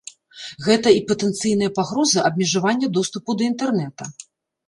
Гэта і патэнцыйная пагроза абмежавання доступу да інтэрнэта.